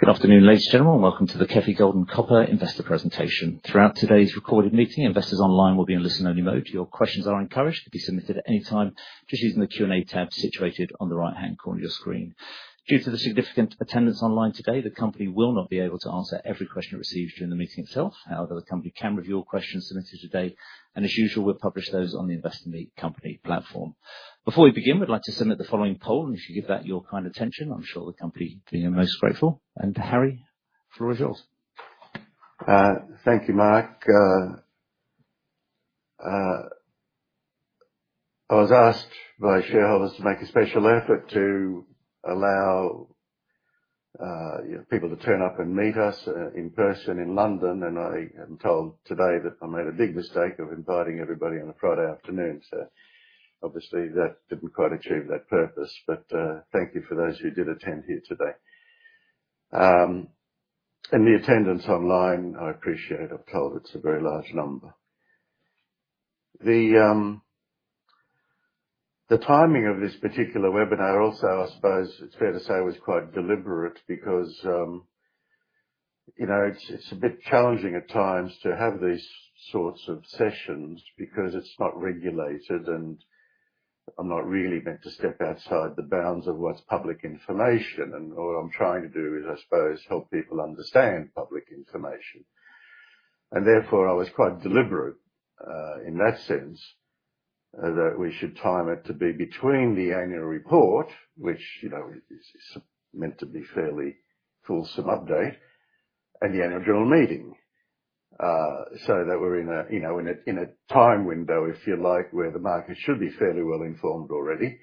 Good afternoon, ladies and gentlemen. Welcome to the KEFI Gold and Copper investor presentation. Throughout today's recorded meeting, investors online will be in listen-only mode. Your questions are encouraged to be submitted at any time just using the Q&A tab situated on the right-hand corner of your screen. Due to the significant attendance online today, the company will not be able to answer every question it receives during the meeting itself. However, the company can review all questions submitted today, and as usual, we'll publish those on the Investor Meet Company platform. Before we begin, we'd like to submit the following poll, and if you give that your kind attention, I'm sure the company will be most grateful. Harry, the floor is yours. Thank you, Mark. I was asked by shareholders to make a special effort to allow people to turn up and meet us in person in London, and I am told today that I made a big mistake of inviting everybody on a Friday afternoon. Obviously, that didn't quite achieve that purpose. Thank you for those who did attend here today. The attendance online, I appreciate. I'm told it's a very large number. The timing of this particular webinar also, I suppose it's fair to say, was quite deliberate because you know, it's a bit challenging at times to have these sorts of sessions because it's not regulated, and I'm not really meant to step outside the bounds of what's public information. All I'm trying to do is, I suppose, help people understand public information. Therefore, I was quite deliberate in that sense that we should time it to be between the annual report, which you know is meant to be fairly fulsome update and the annual general meeting, so that we're in a time window, if you like, where the market should be fairly well-informed already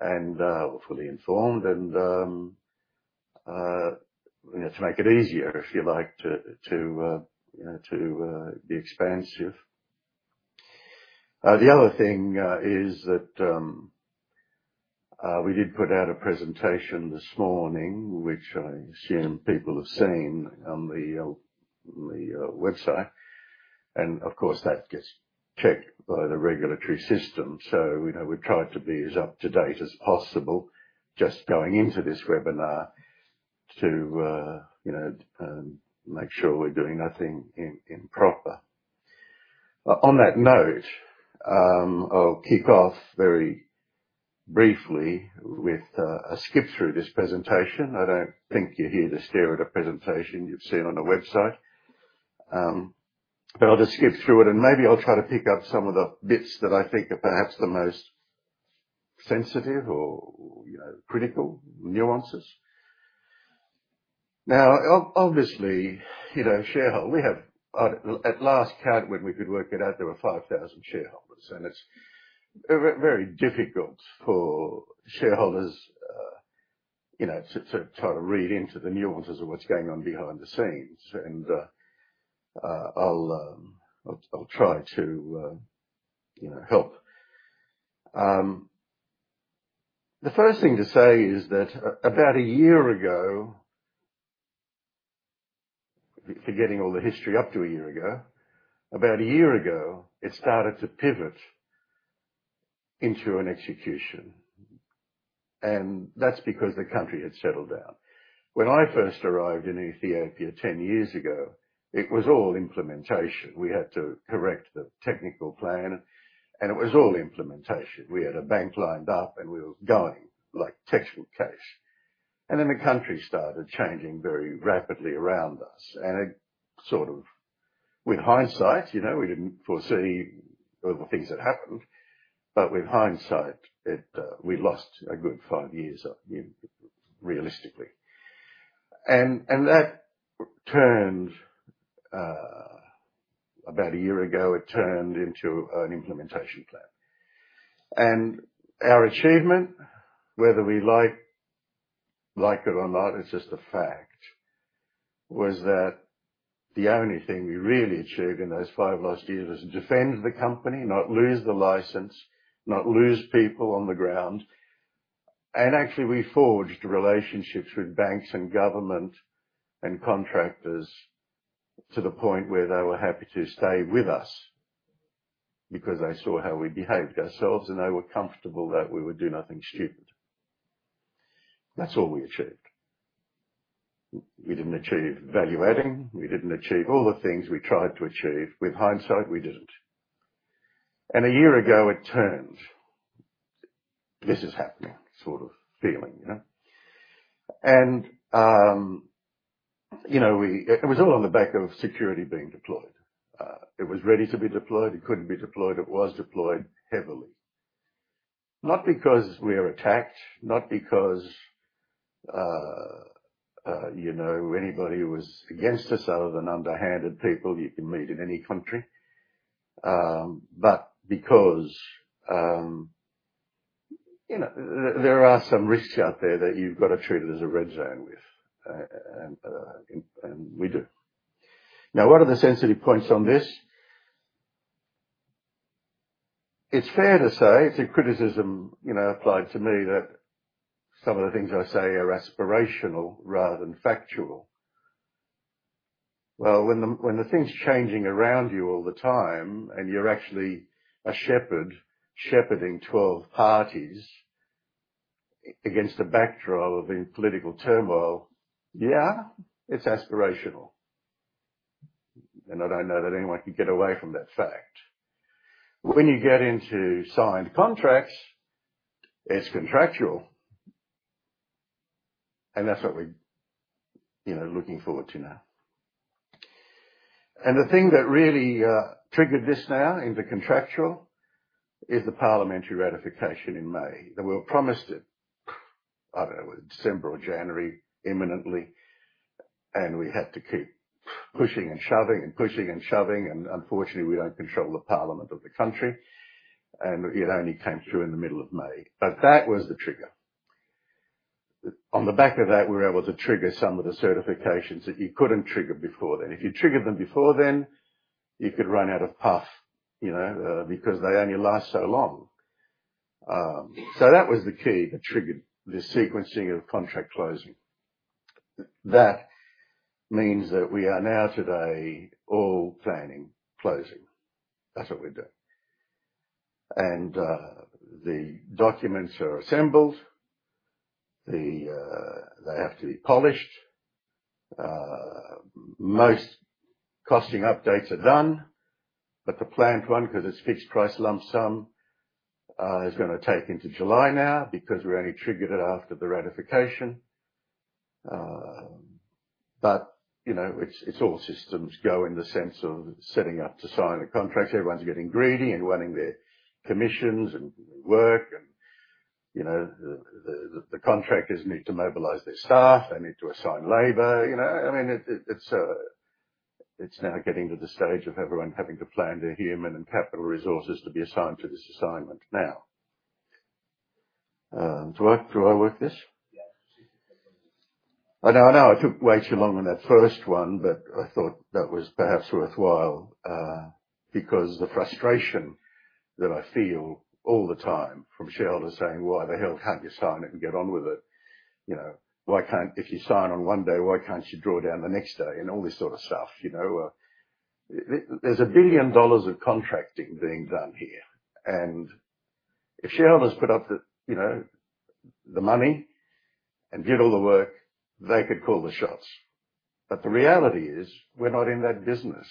and or fully informed and you know to make it easier, if you like, to be expansive. The other thing is that we did put out a presentation this morning, which I assume people have seen on the website. Of course, that gets checked by the regulatory system. You know, we've tried to be as up-to-date as possible just going into this webinar to, you know, make sure we're doing nothing improper. On that note, I'll kick off very briefly with a skip through this presentation. I don't think you're here to stare at a presentation you've seen on a website. I'll just skip through it and maybe I'll try to pick up some of the bits that I think are perhaps the most sensitive or, you know, critical nuances. Now, obviously, you know, shareholder, we have. At last count, when we could work it out, there were 5,000 shareholders, and it's very difficult for shareholders, you know, to try to read into the nuances of what's going on behind the scenes. I'll try to, you know, help. The first thing to say is that about a year ago, forgetting all the history up to a year ago, it started to pivot into an execution. That's because the country had settled down. When I first arrived in Ethiopia 10 years ago, it was all implementation. We had to correct the technical plan, and it was all implementation. We had a bank lined up, and we were going like textbook case. Then the country started changing very rapidly around us. It sort of with hindsight, you know, we didn't foresee all the things that happened. With hindsight, we lost a good five years, you know, realistically. That turned, about a year ago, it turned into an implementation plan. Our achievement, whether we like it or not, it's just a fact, was that the only thing we really achieved in those five lost years is defend the company, not lose the license, not lose people on the ground. Actually, we forged relationships with banks and government and contractors to the point where they were happy to stay with us because they saw how we behaved ourselves, and they were comfortable that we would do nothing stupid. That's all we achieved. We didn't achieve value-adding. We didn't achieve all the things we tried to achieve. With hindsight, we didn't. A year ago it turned, "This is happening" sort of feeling, you know? You know, it was all on the back of security being deployed. It was ready to be deployed. It couldn't be deployed. It was deployed heavily. Not because we are attacked, not because, you know, anybody was against us other than underhanded people you can meet in any country. Because, you know, there are some risks out there that you've got to treat it as a red zone with. We do. Now, what are the sensitive points on this? It's fair to say it's a criticism, you know, applied to me that some of the things I say are aspirational rather than factual. Well, when the thing's changing around you all the time, and you're actually shepherding 12 parties against the backdrop of political turmoil. Yeah, it's aspirational. I don't know that anyone can get away from that fact. When you get into signed contracts, it's contractual. That's what we're, you know, looking forward to now. The thing that really triggered this now into contractual is the parliamentary ratification in May. We were promised it, I don't know, December or January imminently, and we had to keep pushing and shoving, and unfortunately, we don't control the parliament of the country, and it only came through in the middle of May. That was the trigger. On the back of that, we were able to trigger some of the certifications that you couldn't trigger before then. If you triggered them before then, you could run out of puff, you know, because they only last so long. That was the key that triggered the sequencing of contract closing. That means that we are now today all planning closing. That's what we're doing. The documents are assembled. They have to be polished. Most costing updates are done, but the plant one, 'cause it's fixed price lump sum, is gonna take into July now because we only triggered it after the ratification. You know, it's all systems go in the sense of setting up to sign the contracts. Everyone's getting greedy and wanting their commissions and work and, you know, the contractors need to mobilize their staff. They need to assign labor, you know. I mean, it's now getting to the stage of everyone having to plan their human and capital resources to be assigned to this assignment now. Do I work this? Yeah. I know, I know I took way too long on that first one, but I thought that was perhaps worthwhile, because the frustration that I feel all the time from shareholders saying, "Why the hell can't you sign it and get on with it?" You know, "Why can't... If you sign on one day, why can't you draw down the next day?" All this sort of stuff, you know. There's $1 billion of contracting being done here, and if shareholders put up the, you know, the money and did all the work, they could call the shots. The reality is, we're not in that business.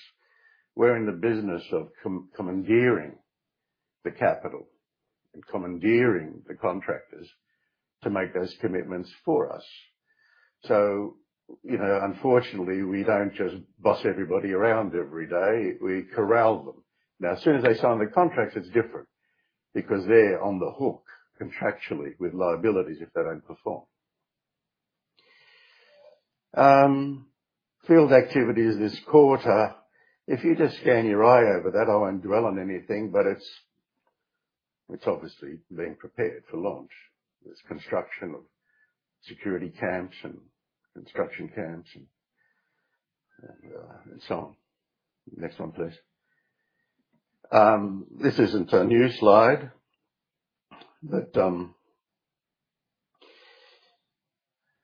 We're in the business of commandeering the capital and commandeering the contractors to make those commitments for us. You know, unfortunately, we don't just boss everybody around every day. We corral them. Now, as soon as they sign the contracts, it's different because they're on the hook contractually with liabilities if they don't perform. Field activities this quarter. If you just scan your eye over that, I won't dwell on anything, but it's obviously being prepared for launch. There's construction of security camps and construction camps and so on. Next one, please. This isn't a new slide, but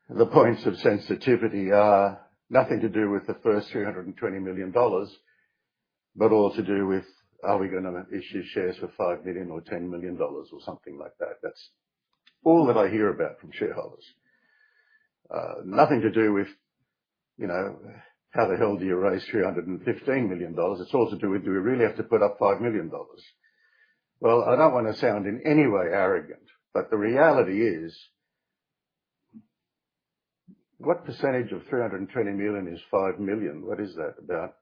the points of sensitivity are nothing to do with the first $320 million, but all to do with, are we gonna issue shares for $5 million or $10 million or something like that. That's all that I hear about from shareholders. Nothing to do with, you know, how the hell do you raise $315 million? It's all to do with, do we really have to put up $5 million? Well, I don't wanna sound in any way arrogant, but the reality is, what percentage of $320 million is $5 million? What is that? About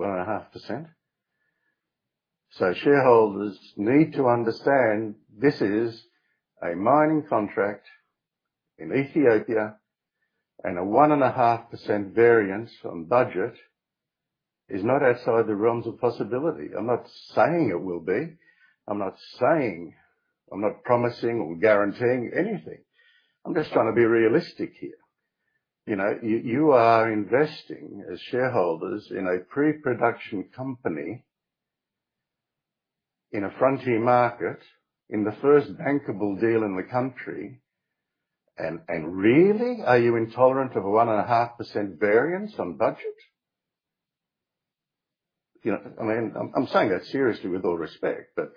1.5%. Shareholders need to understand this is a mining contract in Ethiopia, and a 1.5% variance on budget is not outside the realms of possibility. I'm not saying it will be. I'm not promising or guaranteeing anything. I'm just trying to be realistic here. You know, you are investing as shareholders in a pre-production company in a frontier market in the first bankable deal in the country, and really, are you intolerant of a 1.5% variance on budget? You know, I mean, I'm saying that seriously with all respect, but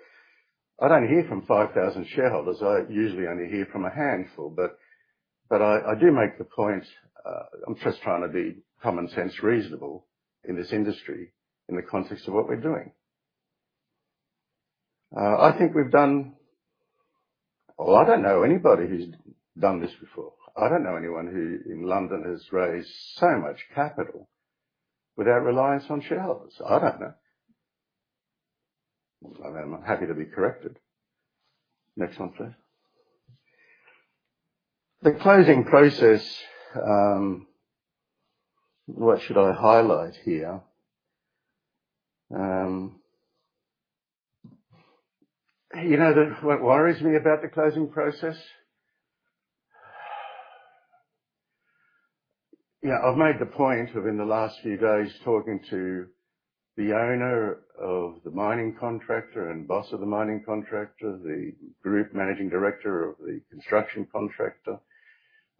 I don't hear from 5,000 shareholders. I usually only hear from a handful. I do make the point. I'm just trying to be common sense reasonable in this industry in the context of what we're doing. I think we've done well. I don't know anybody who's done this before. I don't know anyone who in London has raised so much capital without reliance on shareholders. I don't know. I'm happy to be corrected. Next one, please. The closing process, what should I highlight here? You know, what worries me about the closing process? You know, I've made the point within the last few days talking to the owner of the mining contractor and boss of the mining contractor, the group managing director of the construction contractor,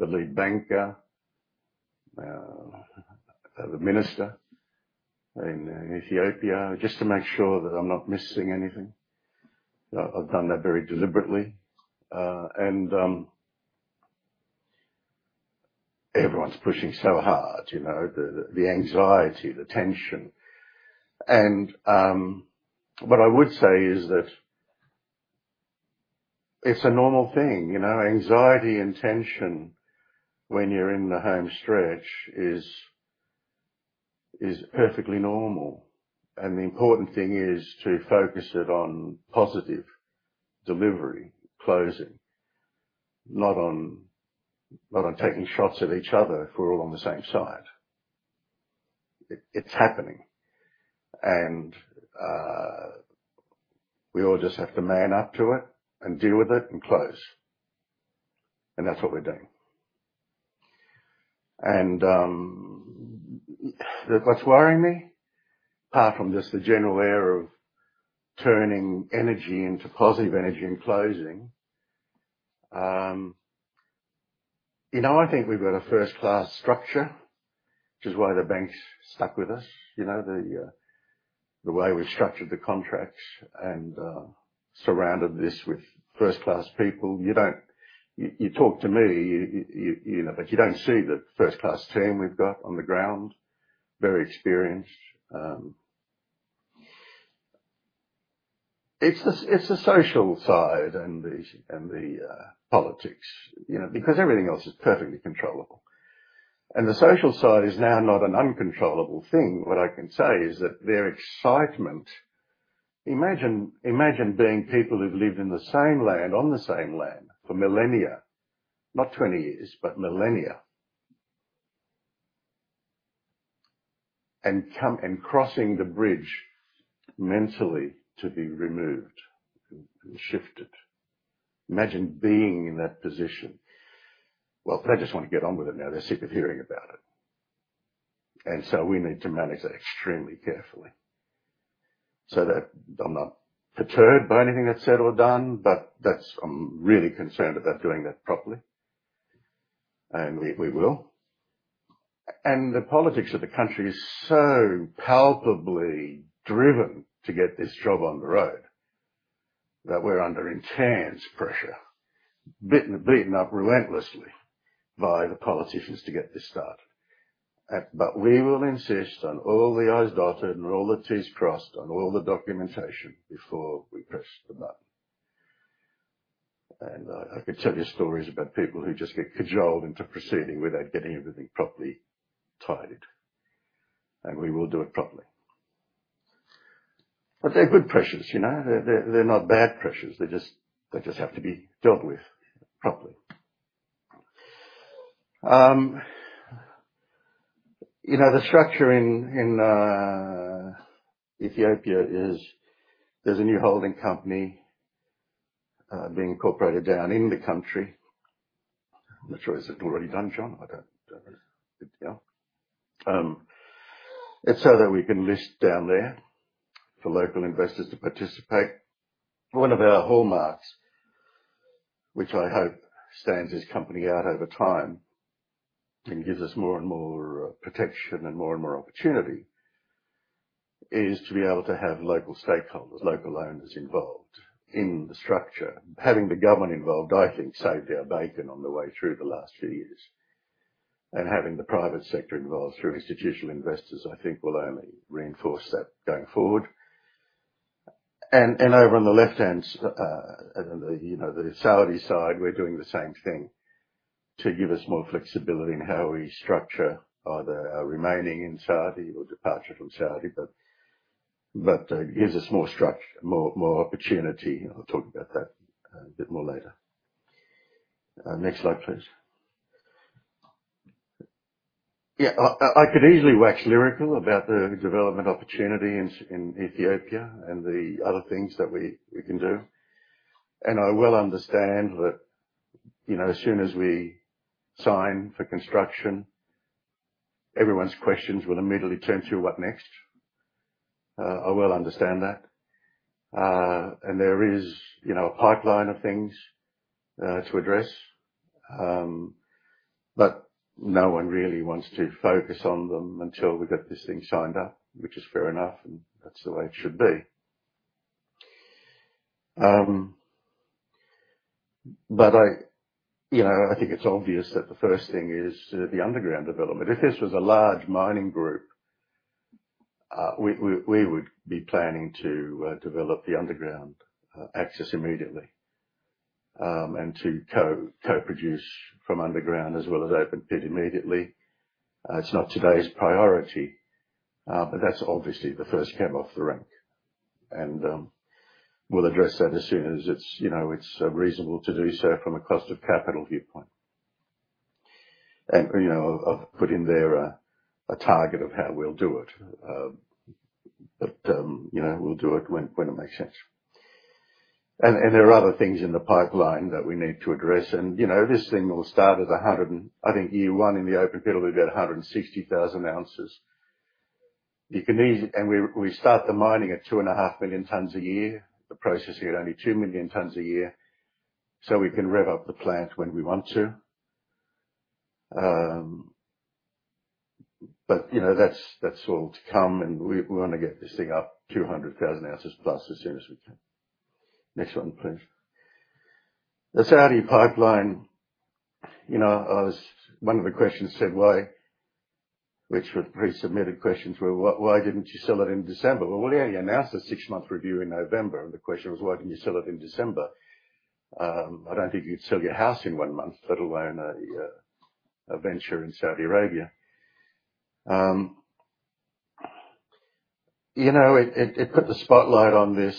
the lead banker, the minister in Ethiopia, just to make sure that I'm not missing anything. I've done that very deliberately. Everyone's pushing so hard, you know, the anxiety, the tension. What I would say is that it's a normal thing. You know, anxiety and tension when you're in the home stretch is perfectly normal. The important thing is to focus it on positive delivery, closing. Not on taking shots at each other if we're all on the same side. It's happening. We all just have to man up to it and deal with it and close. That's what we're doing. What's worrying me, apart from just the general air of turning energy into positive energy and closing, you know, I think we've got a first-class structure, which is why the bank's stuck with us. You know, the way we structured the contracts and surrounded this with first-class people. You talk to me, you know, but you don't see the first-class team we've got on the ground. Very experienced. It's the social side and the politics, you know. Because everything else is perfectly controllable. The social side is now not an uncontrollable thing. What I can say is that their excitement. Imagine being people who've lived in the same land, on the same land for millennia. Not 20 years, but millennia. Crossing the bridge mentally to be removed and shifted. Imagine being in that position. Well, they just wanna get on with it now. They're sick of hearing about it. We need to manage that extremely carefully. That I'm not perturbed by anything that's said or done, but that's. I'm really concerned about doing that properly. We will. The politics of the country is so palpably driven to get this job on the road that we're under intense pressure. Beaten up relentlessly by the politicians to get this started. We will insist on all the I's dotted and all the T's crossed on all the documentation before we press the button. I could tell you stories about people who just get cajoled into proceeding without getting everything properly tied. We will do it properly. They're good pressures, you know. They're not bad pressures. They just have to be dealt with properly. You know, the structure in Ethiopia is there's a new holding company being incorporated down in the country. I'm not sure. Is it already done, John? I don't know the deal. It's so that we can list down there for local investors to participate. One of our hallmarks, which I hope stands this company out over time and gives us more and more protection and more and more opportunity, is to be able to have local stakeholders, local owners involved in the structure. Having the government involved, I think, saved our bacon on the way through the last few years. Having the private sector involved through institutional investors, I think will only reinforce that going forward. Over on the left-hand side, you know, the Saudi side, we're doing the same thing to give us more flexibility in how we structure either our remaining in Saudi or departure from Saudi, but gives us more opportunity. I'll talk about that a bit more later. Next slide, please. Yeah. I could easily wax lyrical about the development opportunity in Ethiopia and the other things that we can do. I well understand that, you know, as soon as we sign for construction, everyone's questions will immediately turn to what next. I well understand that. There is, you know, a pipeline of things to address. But no one really wants to focus on them until we get this thing signed up, which is fair enough, and that's the way it should be. You know, I think it's obvious that the first thing is the underground development. If this was a large mining group, we would be planning to develop the underground access immediately, and to co-produce from underground as well as open pit immediately. It's not today's priority, but that's obviously the first cab off the rank. We'll address that as soon as it's you know, it's reasonable to do so from a cost of capital viewpoint. You know, I've put in there a target of how we'll do it. You know, we'll do it when it makes sense. There are other things in the pipeline that we need to address. You know, this thing will start at 100 and- I think year one in the open pit will be about 160,000 ounces. We start the mining at 2.5 million tons a year. The processing here at only 2 million tons a year, so we can rev up the plant when we want to. You know, that's all to come, and we wanna get this thing up to 200,000 ounces plus as soon as we can. Next one, please. The Saudi pipeline. You know, one of the pre-submitted questions was, "Why didn't you sell it in December?" Well, yeah, you announced a six-month review in November, and the question was, "Why didn't you sell it in December?" I don't think you'd sell your house in one month, let alone a venture in Saudi Arabia. You know, it put the spotlight on this,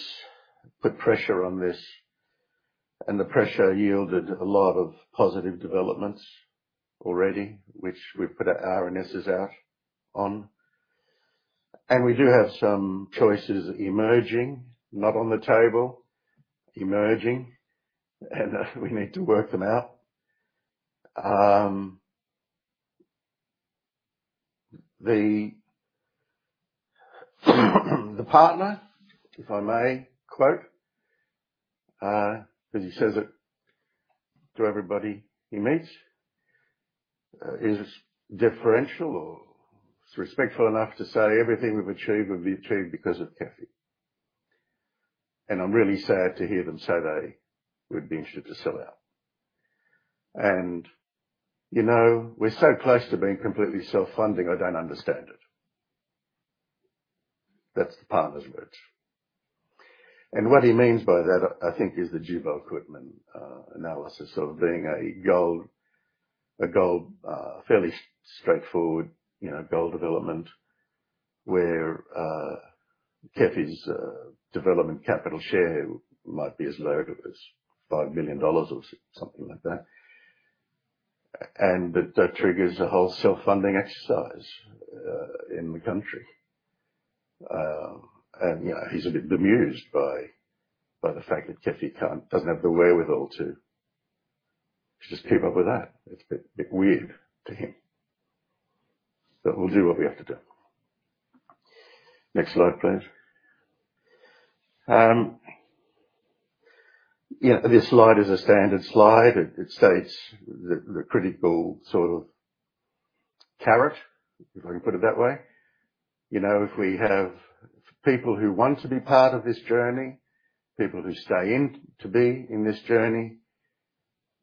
put pressure on this, and the pressure yielded a lot of positive developments already, which we've put our RNSs out on. We do have some choices emerging, not on the table, and we need to work them out. The partner, if I may quote, 'cause he says it to everybody he meets, is deferential or is respectful enough to say, "Everything we've achieved, we've achieved because of KEFI." I'm really sad to hear them say they would be interested to sell out. You know, we're so close to being completely self-funding, I don't understand it. That's the partner's words. What he means by that, I think, is the Jibal Qutman analysis of being a gold fairly straightforward gold development where KEFI's development capital share might be as low as $5 million or something like that. That triggers a whole self-funding exercise in the country. You know, he's a bit bemused by the fact that KEFI doesn't have the wherewithal to just keep up with that. It's a bit weird to him. We'll do what we have to do. Next slide, please. Yeah. This slide is a standard slide. It states the critical sort of carrot, if I can put it that way. You know, if we have people who want to be part of this journey, people who stay in to be in this journey,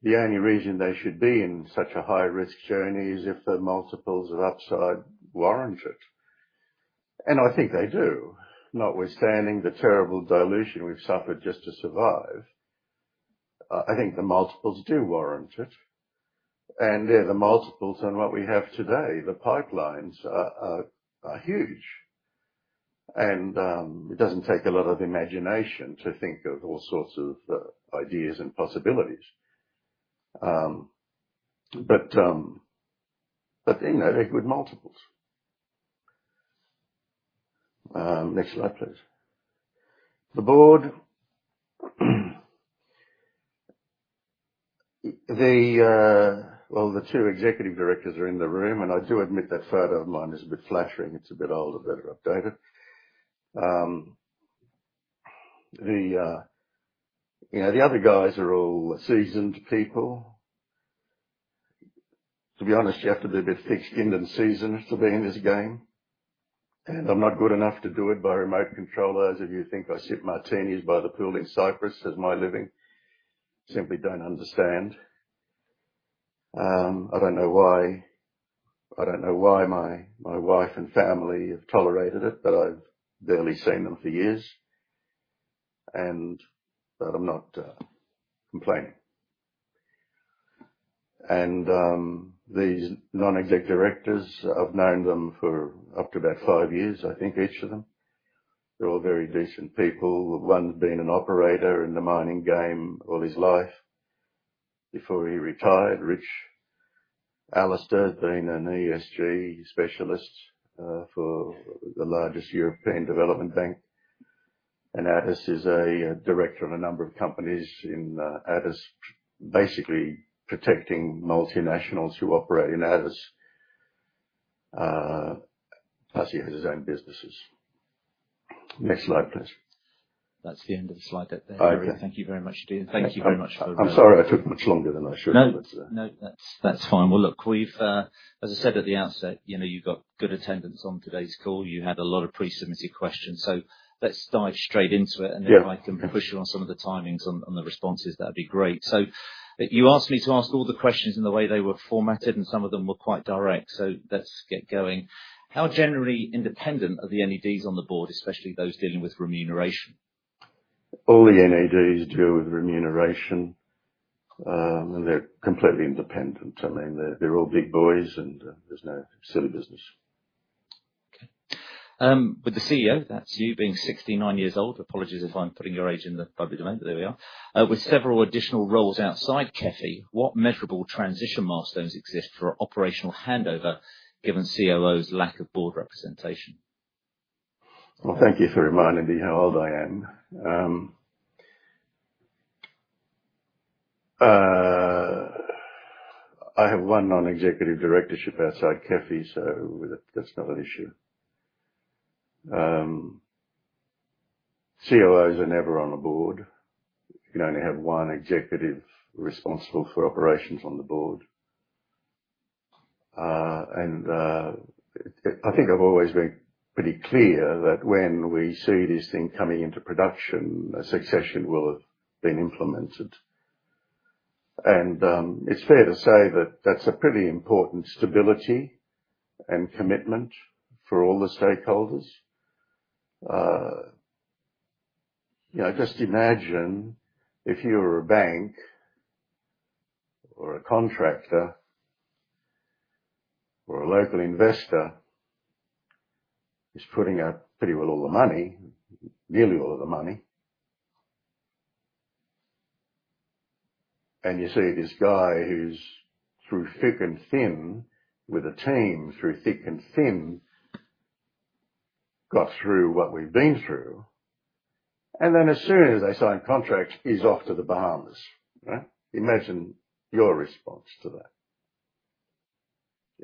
the only reason they should be in such a high-risk journey is if the multiples of upside warrant it. I think they do, notwithstanding the terrible dilution we've suffered just to survive. I think the multiples do warrant it. Yeah, the multiples on what we have today, the pipelines are huge. It doesn't take a lot of imagination to think of all sorts of ideas and possibilities. But you know, they're good multiples. Next slide, please. The Board. The... Well, the two Executive Directors are in the room, and I do admit that photo of mine is a bit flattering. It's a bit old. I'd better update it. You know, the other guys are all seasoned people. To be honest, you have to be a bit thick-skinned and seasoned to be in this game, and I'm not good enough to do it by remote control. Those of you who think I sip martinis by the pool in Cyprus as my living simply don't understand. I don't know why my wife and family have tolerated it, but I've barely seen them for years. I'm not complaining. These Non-Exec Directors, I've known them for up to about five years, I think, each of them. They're all very decent people. One's been an operator in the mining game all his life before he retired. Richard Gillespie has been an ESG specialist for the largest European development bank. Addis is a director of a number of companies in areas, basically protecting multinationals who operate in areas. Plus he has his own businesses. Next slide, please. That's the end of the slide deck there. Okay. Thank you very much, Harry. I'm sorry I took much longer than I should have. No. That's fine. Well, look, we've, as I said at the outset, you know, you've got good attendance on today's call. You had a lot of pre-submitted questions, so let's dive straight into it. Yeah. If I can push you on some of the timings on the responses, that'd be great. You asked me to ask all the questions in the way they were formatted, and some of them were quite direct, so let's get going. How generally independent are the NEDs on the board, especially those dealing with remuneration? All the NEDs deal with remuneration. They're completely independent. I mean, they're all big boys, and there's no silly business. Okay. With the CEO, that's you being 69 years old. Apologies if I'm putting your age in the public domain, but there we are. With several additional roles outside KEFI, what measurable transition milestones exist for operational handover given COO's lack of Board representation? Well, thank you for reminding me how old I am. I have one non-executive directorship outside KEFI, so that's not an issue. COOs are never on a board. You can only have one executive responsible for operations on the board. I think I've always been pretty clear that when we see this thing coming into production, a succession will have been implemented. It's fair to say that that's a pretty important stability and commitment for all the stakeholders. You know, just imagine if you were a bank or a contractor or a local investor who's putting out pretty well all the money, nearly all of the money. You see this guy who's through thick and thin with a team, through thick and thin, got through what we've been through, and then as soon as they sign contract, he's off to the Bahamas, right? Imagine your response to that.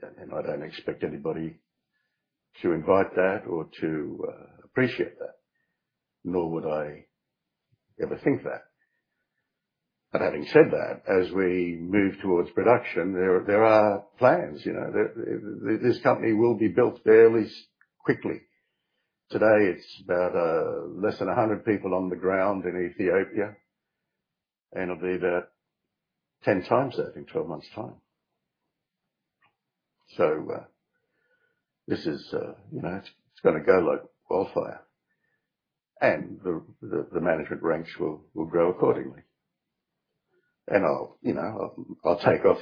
I don't expect anybody to invite that or to appreciate that, nor would I ever think that. Having said that, as we move towards production, there are plans, you know. This company will be built fairly quickly. Today, it's about less than 100 people on the ground in Ethiopia, and it'll be about 10 times that in 12 months' time. This is, you know, it's gonna go like wildfire. The management ranks will grow accordingly. I'll, you know, I'll take off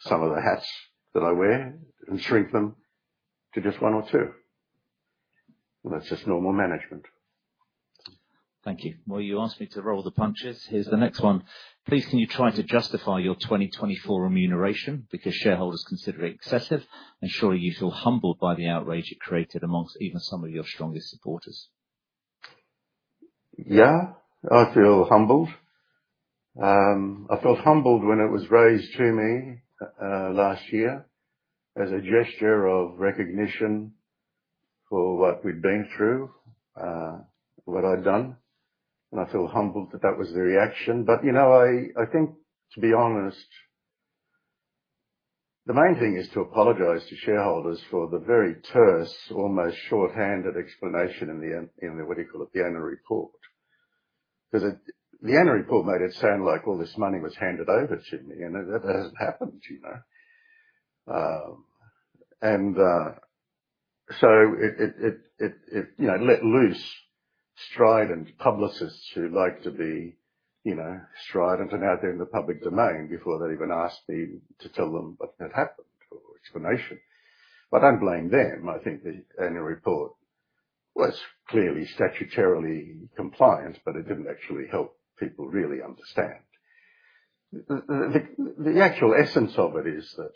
some of the hats that I wear and shrink them to just one or two. Well, that's just normal management. Thank you. Well, you asked me to roll the punches. Here's the next one. Please, can you try to justify your 2024 remuneration because shareholders consider it excessive? Surely you feel humbled by the outrage it created among even some of your strongest supporters. Yeah, I feel humbled. I felt humbled when it was raised to me last year as a gesture of recognition for what we've been through, what I'd done, and I feel humbled that that was the reaction. You know, I think, to be honest, the main thing is to apologize to shareholders for the very terse, almost shorthand explanation in the what do you call it? The annual report. 'Cause the annual report made it sound like all this money was handed over to me, and that hasn't happened, you know. It, you know, let loose strident publicists who like to be, you know, strident and out there in the public domain before they even ask me to tell them what had happened or explanation. I don't blame them. I think the annual report was clearly statutorily compliant, but it didn't actually help people really understand. The actual essence of it is that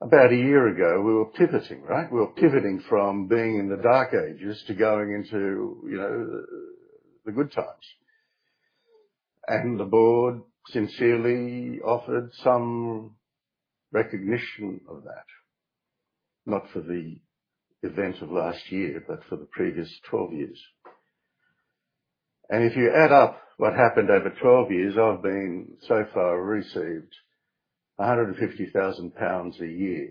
about a year ago, we were pivoting, right? We were pivoting from being in the dark ages to going into, you know, the good times. The Board sincerely offered some recognition of that, not for the events of last year, but for the previous 12 years. If you add up what happened over 12 years, I've so far received 150,000 pounds a year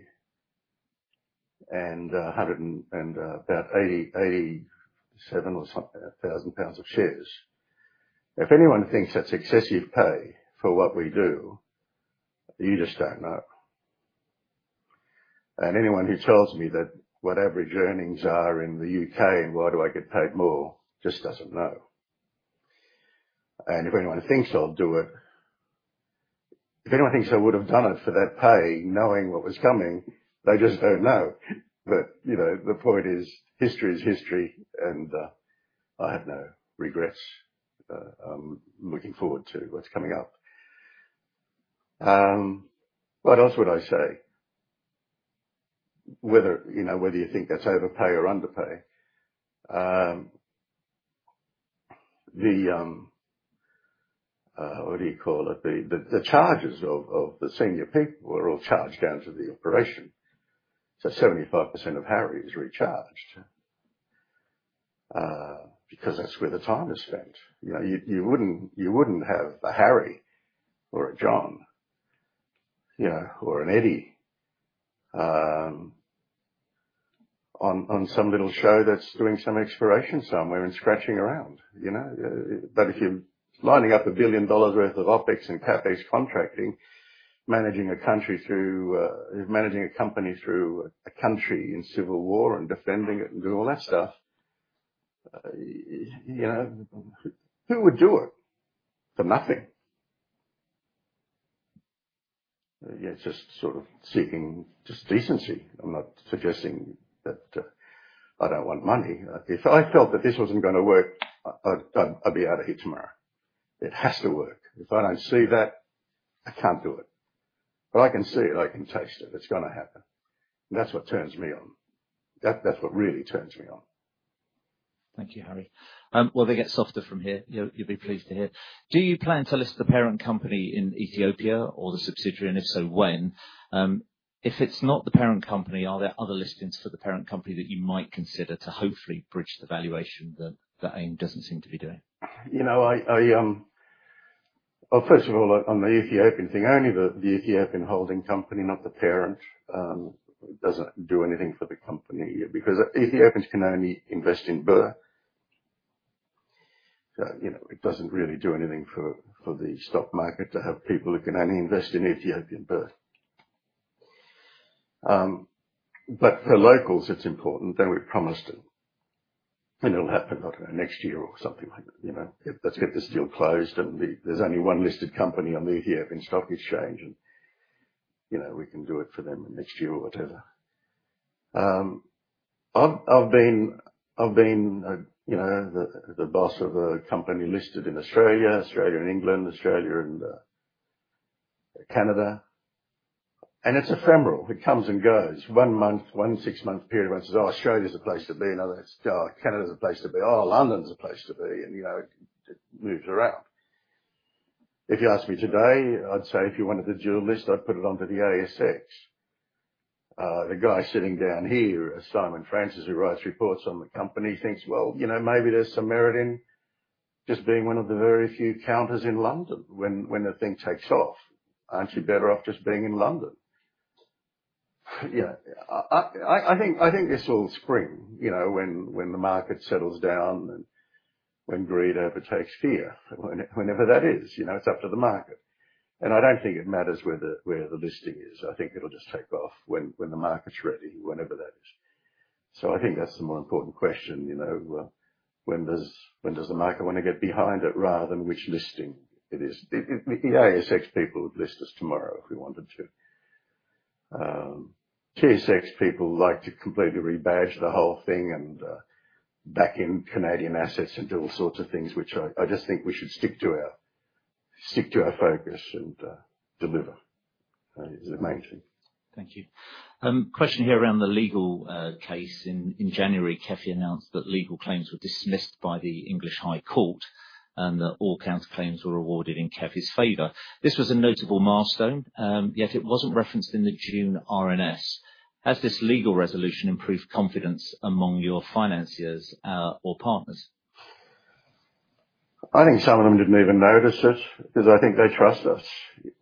and 187,000 in shares. If anyone thinks that's excessive pay for what we do, you just don't know. Anyone who tells me that what average earnings are in the U.K. and why do I get paid more just doesn't know. If anyone thinks I would have done it for that pay, knowing what was coming, they just don't know. You know, the point is history is history, and I have no regrets. I'm looking forward to what's coming up. What else would I say? Whether you know, whether you think that's overpay or underpay. The what do you call it? The charges of the senior people are all charged down to the operation. 75% of Harry is recharged, because that's where the time is spent. You know, you wouldn't have a Harry or a John, you know, or an Eddie on some little show that's doing some exploration somewhere and scratching around, you know. If you're lining up $1 billion worth of OpEx and CapEx contracting, managing a country through, managing a company through a country in civil war and defending it and doing all that stuff, you know, who would do it for nothing? It's just sort of seeking just decency. I'm not suggesting that I don't want money. If I felt that this wasn't gonna work, I'd be out of here tomorrow. It has to work. If I don't see that, I can't do it. I can see it, I can taste it. It's gonna happen. That's what turns me on. That's what really turns me on. Thank you, Harry. Well, they get softer from here, you'll be pleased to hear. Do you plan to list the parent company in Ethiopia or the subsidiary? If so, when? If it's not the parent company, are there other listings for the parent company that you might consider to hopefully bridge the valuation that AIM doesn't seem to be doing? You know, well, first of all, on the Ethiopian thing, only the Ethiopian holding company, not the parent, doesn't do anything for the company yet. Because Ethiopians can only invest in birr. So, you know, it doesn't really do anything for the stock market to have people who can only invest in Ethiopian birr. But for locals, it's important. They were promised it, and it'll happen, I don't know, next year or something like, you know. Let's get this deal closed. There's only one listed company on the Ethiopian Securities Exchange and, you know, we can do it for them next year or whatever. I've been, you know, the boss of a company listed in Australia and England, and Canada. It's ephemeral. It comes and goes. One month, one six-month period, everyone says, "Oh, Australia's the place to be." Another, "Oh, Canada's the place to be." "Oh, London's the place to be." You know, it moves around. If you ask me today, I'd say if you wanted to dual list, I'd put it onto the ASX. The guy sitting down here, Simon Francis, who writes reports on the company, thinks, well, you know, maybe there's some merit in just being one of the very few counters in London when the thing takes off. Aren't you better off just being in London? You know, I think this will spring, you know, when the market settles down and when greed overtakes fear, whenever that is, you know? It's up to the market. I don't think it matters where the listing is. I think it'll just take off when the market's ready, whenever that is. I think that's the more important question, you know. When does the market wanna get behind it, rather than which listing it is. The ASX people would list us tomorrow if we wanted to. TSX people like to completely rebadge the whole thing and, back in Canadian assets and do all sorts of things, which I just think we should stick to our focus and, deliver. It's the main thing. Thank you. Question here around the legal case. In January, KEFI announced that legal claims were dismissed by the English High Court, and that all counterclaims were awarded in KEFI's favor. This was a notable milestone, yet it wasn't referenced in the June RNS. Has this legal resolution improved confidence among your financiers, or partners? I think some of them didn't even notice it because I think they trust us.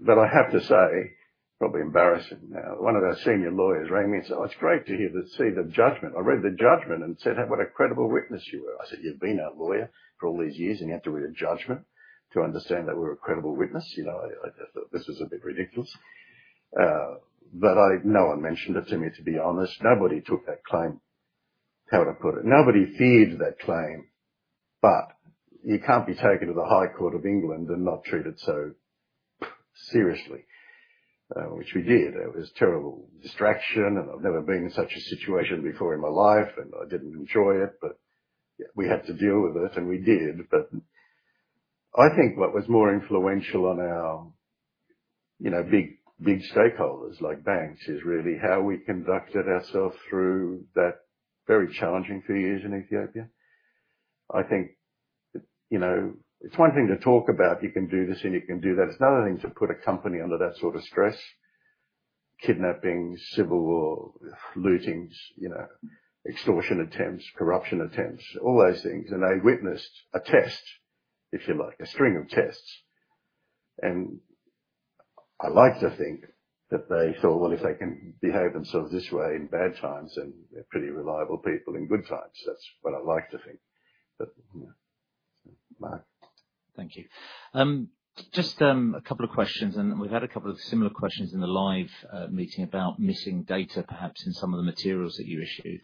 I have to say, probably embarrassing now, one of our senior lawyers rang me and said, "Oh, it's great to see the judgment. I read the judgment and said, 'What a credible witness you were.'" I said, "You've been our lawyer for all these years, and you had to read a judgment to understand that we're a credible witness?" You know, I thought this was a bit ridiculous. No one mentioned it to me, to be honest. Nobody took that claim. How would I put it? Nobody feared that claim. You can't be taken to the High Court of England and not treat it so seriously, which we did. It was a terrible distraction and I've never been in such a situation before in my life, and I didn't enjoy it. We had to deal with it, and we did. I think what was more influential on our, you know, big, big stakeholders, like banks, is really how we conducted ourselves through that very challenging few years in Ethiopia. I think, you know, it's one thing to talk about, you can do this and you can do that. It's another thing to put a company under that sort of stress. Kidnappings, civil war, lootings, you know, extortion attempts, corruption attempts, all those things. They witnessed a test, if you like, a string of tests. I like to think that they thought, "Well, if they can behave themselves this way in bad times, then they're pretty reliable people in good times." That's what I like to think. You know. Mark. Thank you. Just a couple of questions, and we've had a couple of similar questions in the live meeting about missing data, perhaps in some of the materials that you issued.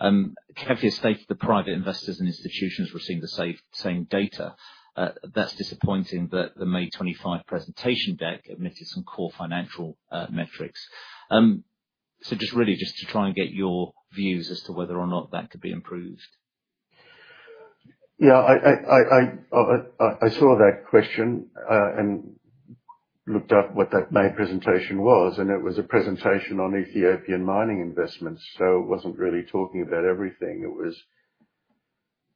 KEFI has stated the private investors and institutions were seeing the same data. That's disappointing that the May 25 presentation deck omitted some core financial metrics. So just really just to try and get your views as to whether or not that could be improved. Yeah. I saw that question and looked up what that May presentation was, and it was a presentation on Ethiopian mining investments. It wasn't really talking about everything.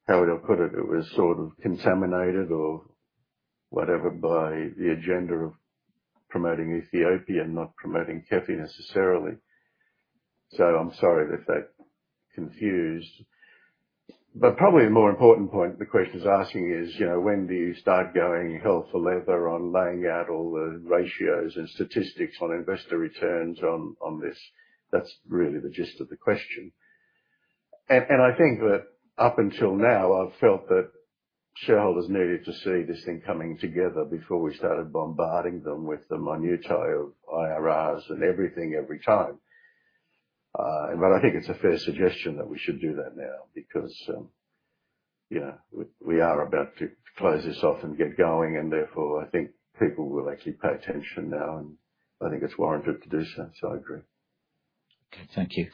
How would I put it? It was sort of contaminated or whatever by the agenda of promoting Ethiopia, not promoting KEFI necessarily. I'm sorry if that confused. Probably a more important point the question is asking is, you know, when do you start going hell for leather on laying out all the ratios and statistics on investor returns on this? That's really the gist of the question. I think that up until now, I've felt that shareholders needed to see this thing coming together before we started bombarding them with the minutiae of IRRs and everything every time. I think it's a fair suggestion that we should do that now because, you know, we are about to close this off and get going, and therefore, I think people will actually pay attention now, and I think it's warranted to do so. I agree. Thank you.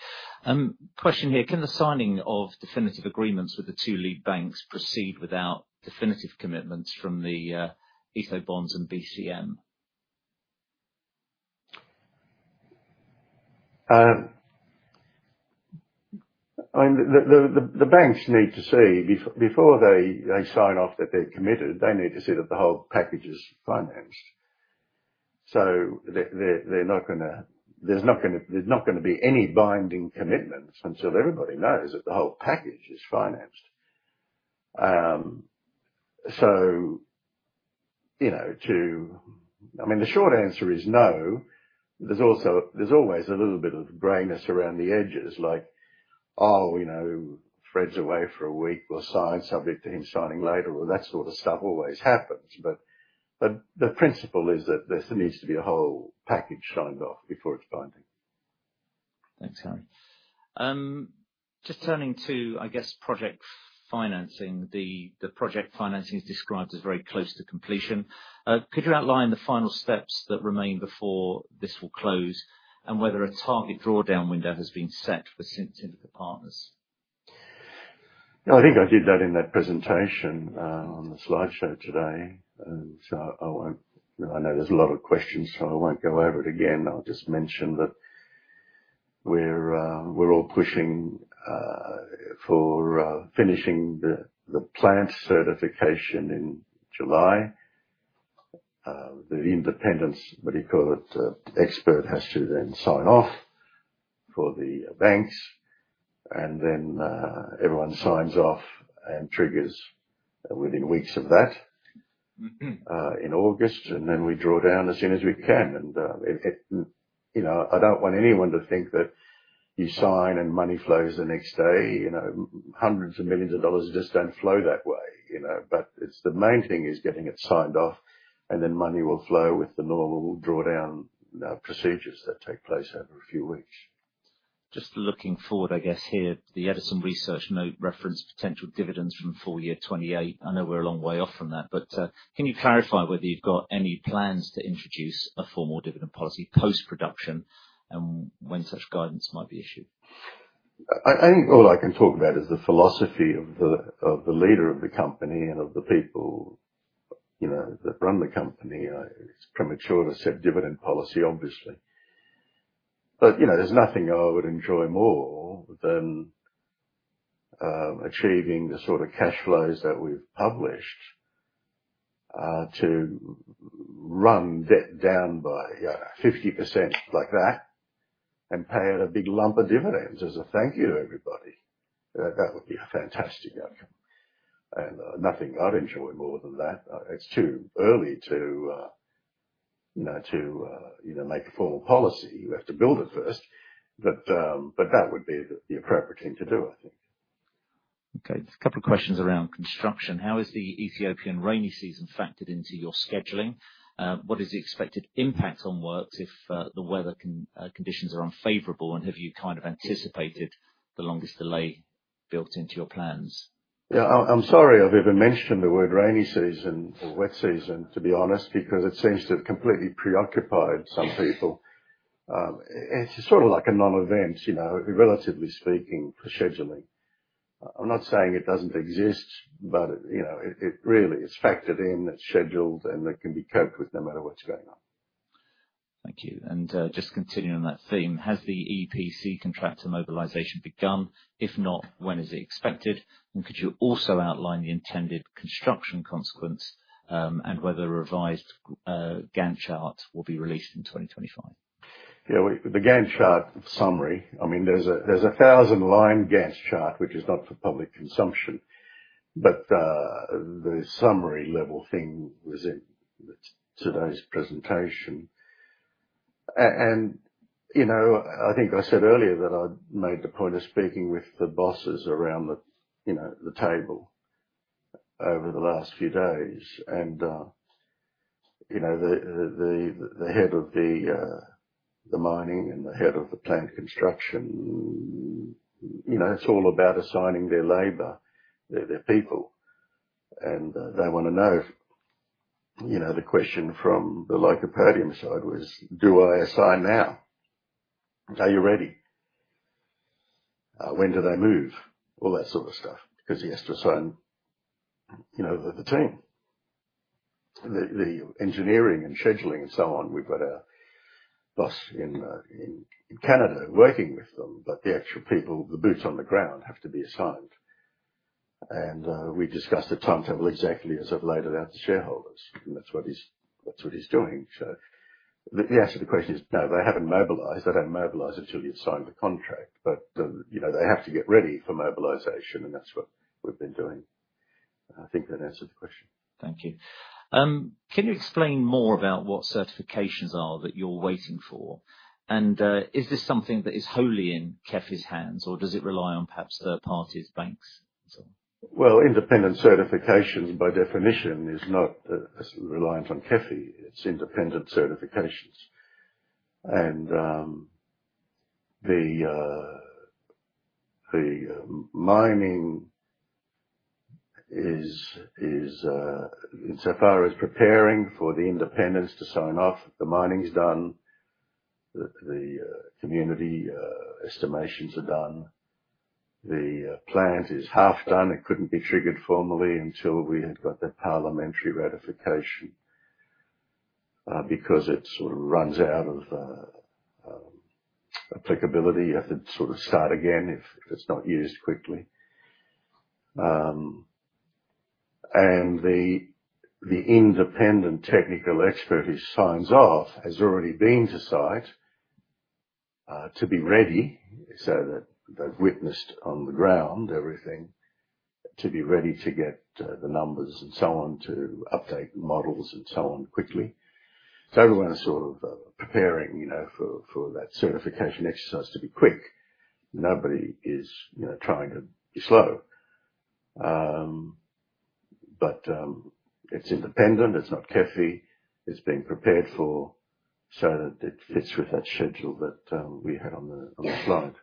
Question here, can the signing of definitive agreements with the two lead banks proceed without definitive commitments from the AFC and BCM? I mean, the banks need to see before they sign off that they're committed, they need to see that the whole package is financed. There's not gonna be any binding commitments until everybody knows that the whole package is financed. I mean, the short answer is no. There's also always a little bit of grayness around the edges, like, "Oh, you know, Fred's away for a week. We'll sign subject to him signing later." Well, that sort of stuff always happens, but the principle is that there needs to be a whole package signed off before it's binding. Thanks, Harry. Just turning to, I guess, project financing. The project financing is described as very close to completion. Could you outline the final steps that remain before this will close and whether a target drawdown window has been set for Syndicated Partners? No, I think I did that in that presentation on the slideshow today. I won't. I know there's a lot of questions, so I won't go over it again. I'll just mention that we're all pushing for finishing the plant certification in July. The independent, what do you call it? Expert has to then sign off for the banks and then everyone signs off and triggers within weeks of that in August. We draw down as soon as we can and it. You know, I don't want anyone to think that you sign and money flows the next day. You know, hundreds of millions of dollars just don't flow that way, you know? It's the main thing is getting it signed off and then money will flow with the normal drawdown procedures that take place over a few weeks. Just looking forward, I guess here, the Edison research note referenced potential dividends from full year 2028. I know we're a long way off from that, but can you clarify whether you've got any plans to introduce a formal dividend policy post-production and when such guidance might be issued? I think all I can talk about is the philosophy of the leader of the company and of the people, you know, that run the company. It's premature to set dividend policy, obviously. You know, there's nothing I would enjoy more than achieving the sort of cash flows that we've published to run debt down by 50% like that and pay out a big lump of dividends as a thank you to everybody. That would be a fantastic outcome and nothing I'd enjoy more than that. It's too early to, you know, make a formal policy. You have to build it first. That would be the appropriate thing to do, I think. Okay. Just a couple of questions around construction. How is the Ethiopian rainy season factored into your scheduling? What is the expected impact on works if the weather conditions are unfavorable? Have you kind of anticipated the longest delay built into your plans? Yeah. I'm sorry I've even mentioned the word rainy season or wet season, to be honest, because it seems to have completely preoccupied some people. It's sort of like a non-event, you know, relatively speaking, for scheduling. I'm not saying it doesn't exist, but, you know, it really is factored in. It's scheduled, and it can be coped with no matter what's going on. Thank you. Just continuing on that theme, has the EPC contractor mobilization begun? If not, when is it expected? Could you also outline the intended construction sequence, and whether a revised Gantt chart will be released in 2025? Yeah. The Gantt chart summary, I mean, there's a thousand-line Gantt chart which is not for public consumption, but the summary level thing was in today's presentation. You know, I think I said earlier that I'd made the point of speaking with the bosses around the, you know, the table over the last few days. You know, the head of the mining and the head of the plant construction, you know, it's all about assigning their labor, their people. You know, the question from the Lycopodium side was, "Do I assign now? Are you ready? When do they move?" All that sort of stuff, because he has to assign, you know, the team. The engineering and scheduling and so on, we've got a boss in Canada working with them. The actual people, the boots on the ground, have to be assigned. We discussed the timetable exactly as I've laid it out to shareholders, and that's what he's doing. The answer to the question is no, they haven't mobilized. They don't mobilize until you sign the contract. You know, they have to get ready for mobilization, and that's what we've been doing. I think that answers the question. Thank you. Can you explain more about what certifications are that you're waiting for? Is this something that is wholly in KEFI's hands, or does it rely on perhaps third parties, banks and so on? Well, independent certification by definition is not reliant on KEFI. It's independent certifications. The mining is insofar as preparing for the independent to sign off. The mining's done, the community estimations are done. The plant is half done. It couldn't be triggered formally until we had got the parliamentary ratification because it sort of runs out of applicability. You have to sort of start again if it's not used quickly. The independent technical expert who signs off has already been to site to be ready so that they've witnessed on the ground everything to be ready to get the numbers and so on, to update the models and so on quickly. Everyone is sort of preparing, you know, for that certification exercise to be quick. Nobody is, you know, trying to be slow. It's independent, it's not KEFI. It's being prepared for so that it fits with that schedule that we had on the slide.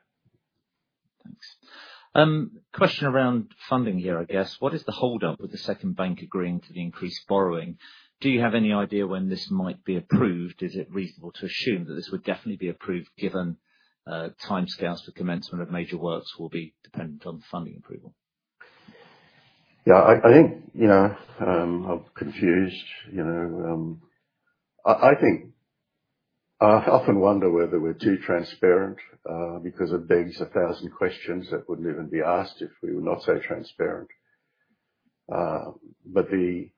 Thanks. Question around funding here, I guess. What is the hold up with the second bank agreeing to the increased borrowing? Do you have any idea when this might be approved? Is it reasonable to assume that this would definitely be approved given timescales for commencement of major works will be dependent on the funding approval? I think you know I'm confused. You know I think I often wonder whether we're too transparent because it begs a thousand questions that wouldn't even be asked if we were not so transparent. The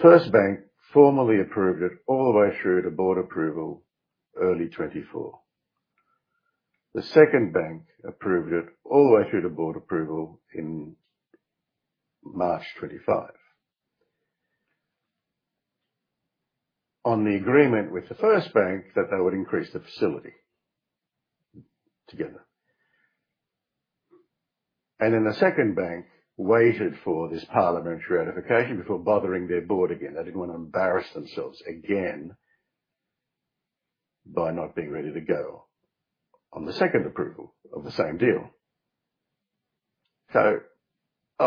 first bank formally approved it all the way through to board approval early 2024. The second bank approved it all the way through to board approval in March 2025 on the agreement with the first bank that they would increase the facility together. The second bank waited for this parliamentary ratification before bothering their board again. They didn't wanna embarrass themselves again by not being ready to go on the second approval of the same deal. I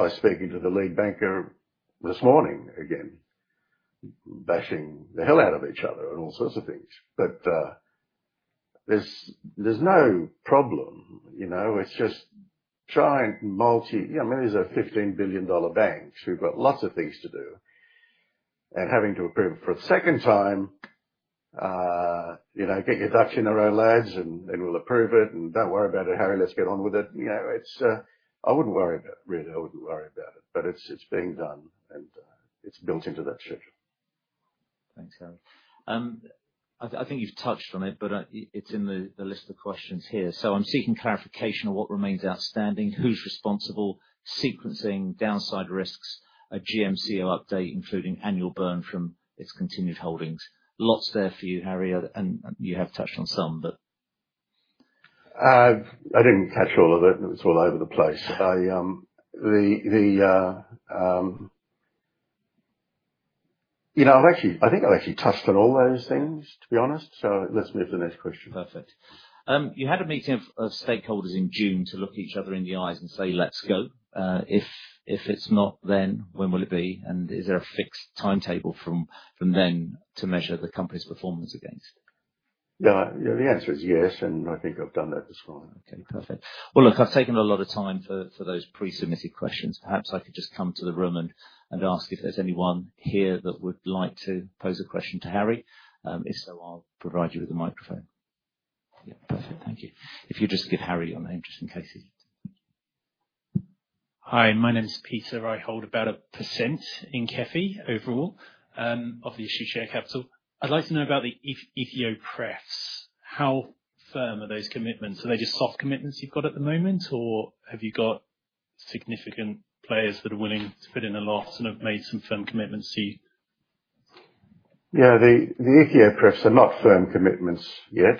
was speaking to the lead banker this morning again, bashing the hell out of each other and all sorts of things. There's no problem. You know, it's just. Yeah, I mean, these are $15 billion banks who've got lots of things to do. Having to approve it for a second time, you know, get your ducks in a row, lads, and then we'll approve it, and don't worry about it, Harry, let's get on with it. You know, I wouldn't worry about it, really. I wouldn't worry about it. It's being done and it's built into that schedule. Thanks, Harry. I think you've touched on it, but it's in the list of questions here. I'm seeking clarification on what remains outstanding, who's responsible, sequencing downside risks, a GMCO update, including annual burn from its continued holdings. Lots there for you, Harry, and you have touched on some. I didn't catch all of it. It was all over the place. You know, I think I've actually touched on all those things, to be honest. Let's move to the next question. Perfect. You had a meeting of stakeholders in June to look each other in the eyes and say, "Let's go." If it's not then, when will it be? And is there a fixed timetable from then to measure the company's performance against? Yeah. The answer is yes, and I think I've done that this time. Okay, perfect. Well, look, I've taken a lot of time for those pre-submitted questions. Perhaps I could just come to the room and ask if there's anyone here that would like to pose a question to Harry. If so, I'll provide you with a microphone. Yeah. Perfect. Thank you. If you'd just give Harry your name just in case he... Hi, my name is Peter. I hold about 1% in KEFI overall of the issued share capital. I'd like to know about the Ethio-Preps How firm are those commitments? Are they just soft commitments you've got at the moment, or have you got significant players that are willing to put in the last and have made some firm commitments to you? Yeah, the Ethio-Preps are not firm commitments yet.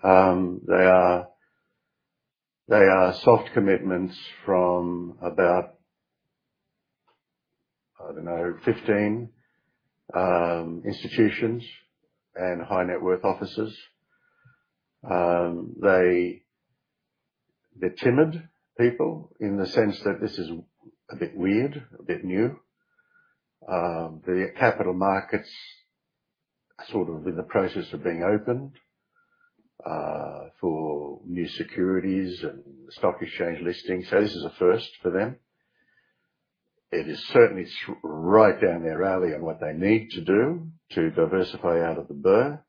They are soft commitments from about, I don't know, 15 institutions and high net worth offices. They're timid people in the sense that this is a bit weird, a bit new. The capital markets are sort of in the process of being opened for new securities and stock exchange listings. This is a first for them. It is certainly right down their alley on what they need to do to diversify out of the birr,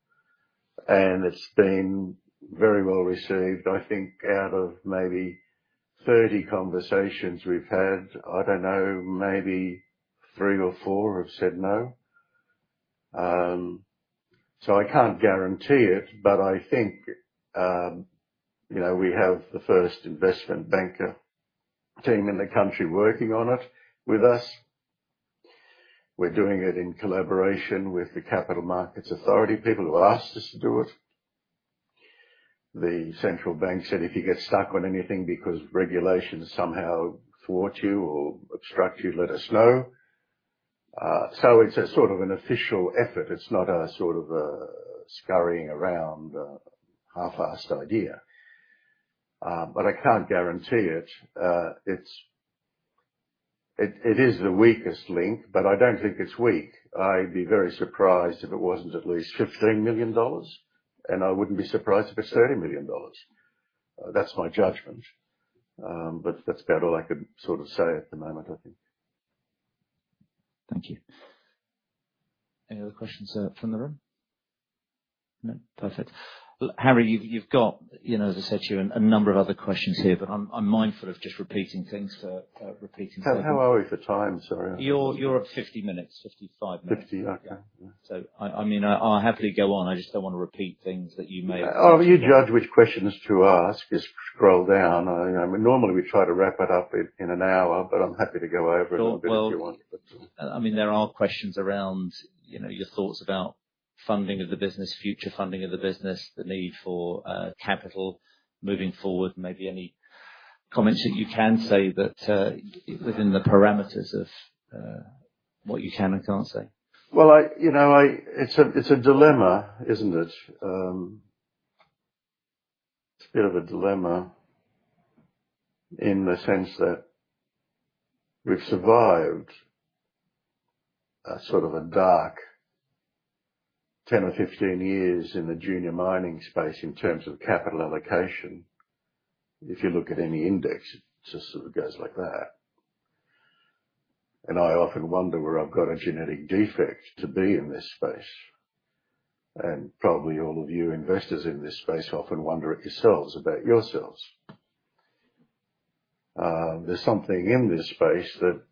and it's been very well received. I think out of maybe 30 conversations we've had, I don't know, maybe three or four have said no. I can't guarantee it, but I think you know, we have the first investment banker team in the country working on it with us. We're doing it in collaboration with the Capital Markets Authority, people who asked us to do it. The Central Bank said, "If you get stuck on anything because regulations somehow thwart you or obstruct you, let us know." It's a sort of an official effort. It's not a sort of a scurrying around, half-assed idea. I can't guarantee it. It's the weakest link, but I don't think it's weak. I'd be very surprised if it wasn't at least $15 million, and I wouldn't be surprised if it's $30 million. That's my judgment. That's about all I could sort of say at the moment, I think. Thank you. Any other questions from the room? No? Perfect. Harry, you've got, you know, as I said to you, a number of other questions here, but I'm mindful of just repeating things for repeating's sake. How are we for time, sorry? You're at 50 minutes. 55 minutes. 50. Okay. I mean, I'll happily go on. I just don't wanna repeat things that you may. Oh, you judge which questions to ask. Just scroll down. You know, normally we try to wrap it up in an hour, but I'm happy to go over a little bit if you want. Well, I mean, there are questions around, you know, your thoughts about funding of the business, future funding of the business, the need for capital moving forward. Maybe any comments that you can say that within the parameters of what you can and can't say. Well, you know, it's a dilemma, isn't it? It's a bit of a dilemma in the sense that we've survived a sort of dark 10 or 15 years in the junior mining space in terms of capital allocation. If you look at any index, it just sort of goes like that. I often wonder whether I've got a genetic defect to be in this space, and probably all of you investors in this space often wonder it yourselves about yourselves. There's something in this space that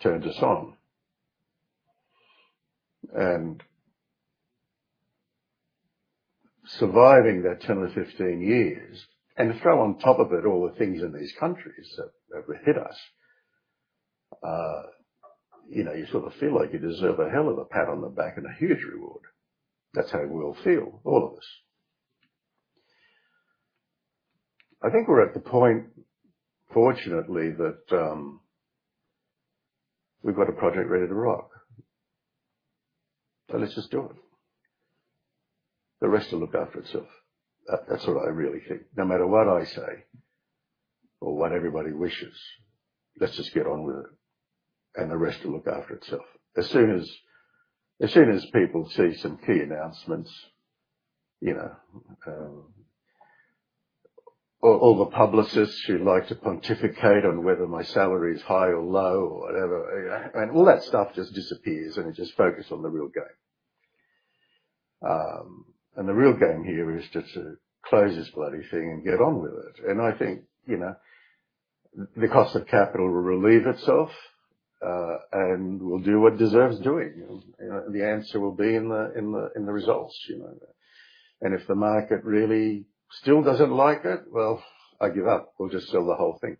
turns us on. Surviving that 10 or 15 years, and throw on top of it all the things in these countries that would hit us, you know, you sort of feel like you deserve a hell of a pat on the back and a huge reward. That's how we all feel, all of us. I think we're at the point, fortunately, that we've got a project ready to rock. Let's just do it. The rest will look after itself. That's what I really think. No matter what I say or what everybody wishes, let's just get on with it, and the rest will look after itself. As soon as people see some key announcements, you know, all the publicists who like to pontificate on whether my salary is high or low or whatever, and all that stuff just disappears, and you just focus on the real game. The real game here is just to close this bloody thing and get on with it. I think, you know, the cost of capital will relieve itself, and will do what deserves doing. You know, the answer will be in the results, you know. If the market really still doesn't like it, well, I give up. We'll just sell the whole thing.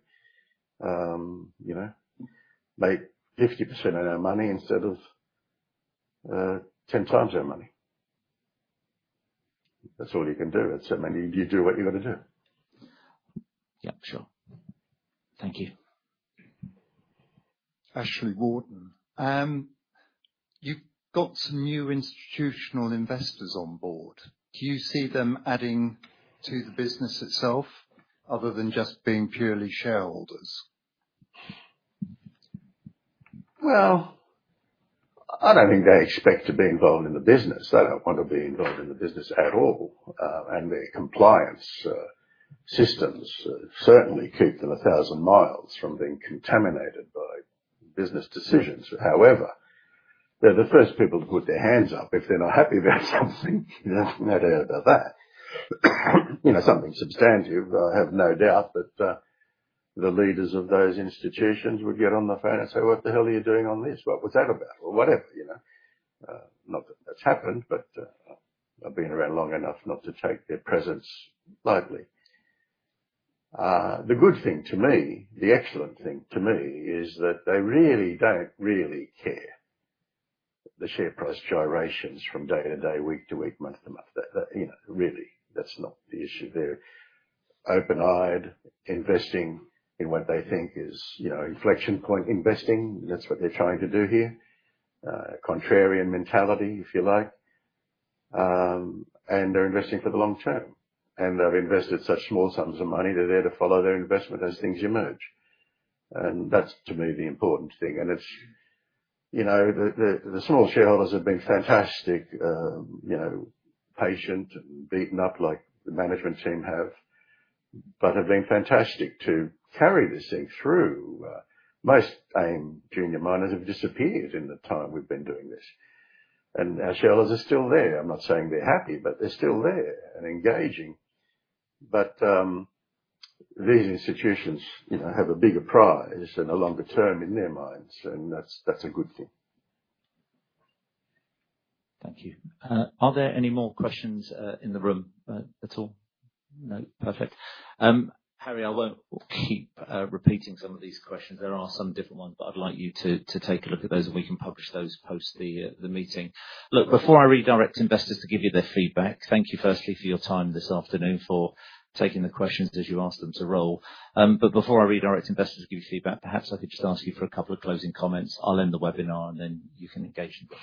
You know, make 50% of their money instead of 10x their money. That's all you can do. At a certain point, you do what you gotta do. Yeah, sure. Thank you. Ashley Warden. You've got some new institutional investors on board. Do you see them adding to the business itself other than just being purely shareholders? Well, I don't think they expect to be involved in the business. They don't want to be involved in the business at all. Their compliance systems certainly keep them a thousand miles from being contaminated by business decisions. However, they're the first people to put their hands up if they're not happy about something. There's no doubt about that. You know, something substantive. I have no doubt that the leaders of those institutions would get on the phone and say, "What the hell are you doing on this? What was that about?" Or whatever, you know. Not that that's happened, but I've been around long enough not to take their presence lightly. The good thing to me, the excellent thing to me is that they really don't care. The share price gyrations from day-to-day, week-to-week, month-to-month. You know, really, that's not the issue. They're open-eyed, investing in what they think is, you know, inflection point investing. That's what they're trying to do here. Contrarian mentality, if you like. They're investing for the long term. They've invested such small sums of money, they're there to follow their investment as things emerge. That's, to me, the important thing. It's, you know, the small shareholders have been fantastic, you know, patient and beaten up like the management team have, but have been fantastic to carry this thing through. Most AIM junior miners have disappeared in the time we've been doing this. Our shareholders are still there. I'm not saying they're happy, but they're still there and engaging. These institutions, you know, have a bigger prize and a longer term in their minds, and that's a good thing. Thank you. Are there any more questions in the room at all? No? Perfect. Harry, I won't keep repeating some of these questions. There are some different ones, but I'd like you to take a look at those, and we can publish those post the meeting. Look, before I redirect investors to give you their feedback, thank you firstly for your time this afternoon, for taking the questions as you asked them to roll. Before I redirect investors to give you feedback, perhaps I could just ask you for a couple of closing comments. I'll end the webinar, and then you can engage in.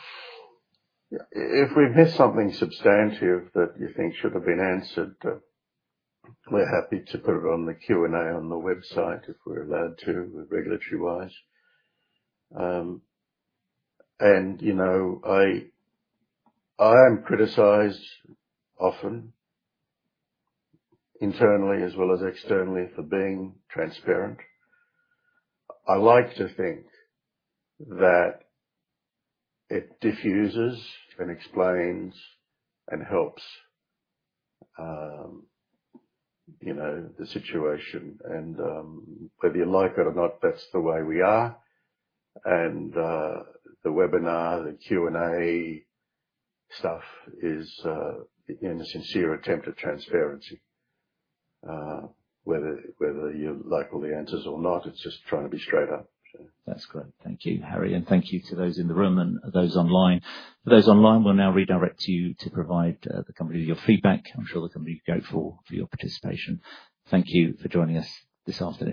If we've missed something substantive that you think should have been answered, we're happy to put it on the Q&A on the website if we're allowed to, regulatory-wise. You know, I am criticized often, internally as well as externally, for being transparent. I like to think that it diffuses and explains and helps, you know, the situation. Whether you like it or not, that's the way we are. The webinar, the Q&A stuff is in a sincere attempt at transparency. Whether you like all the answers or not, it's just trying to be straight up. That's great. Thank you, Harry. Thank you to those in the room and those online. For those online, we'll now redirect you to provide the company your feedback. I'm sure the company go for your participation. Thank you for joining us this afternoon.